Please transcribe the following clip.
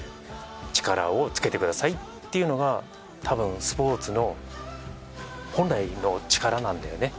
力をつけてくださいっていうのがたぶんスポーツの本来の力なんだよね。